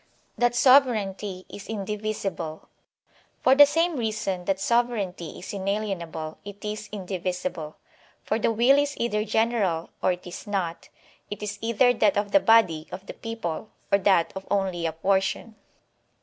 That Sovereignty is Indivisible. For the same reason that sovereignty is inalienable it is indivisible; for the will is either general, or it is not; it is either that of the body of the people, or that of only a portion.